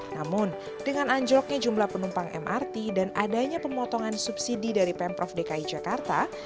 namun dengan anjloknya jumlah penumpang mrt dan adanya pemotongan subsidi dari pemprov dki jakarta